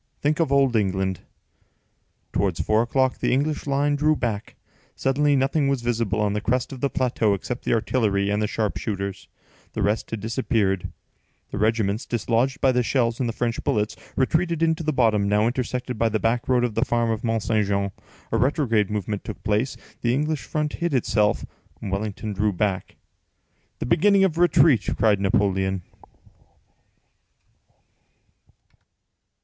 Think of old England!" Towards four o'clock, the English line drew back. Suddenly nothing was visible on the crest of the plateau except the artillery and the sharpshooters; the rest had disappeared: the regiments, dislodged by the shells and the French bullets, retreated into the bottom, now intersected by the back road of the farm of Mont Saint Jean; a retrograde movement took place, the English front hid itself, Wellington drew back. "The beginning of retreat!" cried Napoleon.